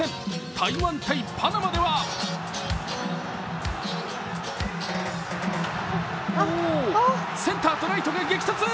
台湾×パナマではセンターとライトが激突。